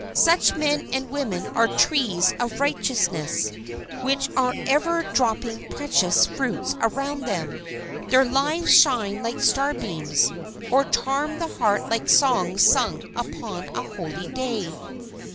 Such men and women are trees of righteousness, which are ever dropping precious fruits around them. Their lives shine like starbeams, or charm the heart like songs sung upon a holy day.